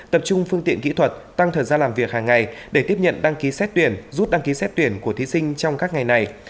tập trung phương tiện kỹ thuật tăng thời gian làm việc hàng ngày để tiếp nhận đăng ký xét tuyển rút đăng ký xét tuyển của thí sinh trong các ngày này